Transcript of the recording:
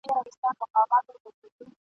که سینه ساتې له خاره چي رانه سې ..